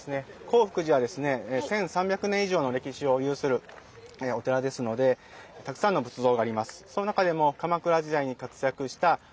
興福寺はですね１，３００年以上の歴史を有するお寺ですのでたくさんの仏像があります。